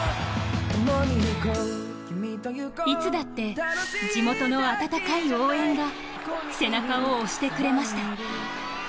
いつだって、地元の温かい応援が背中を押してくれました。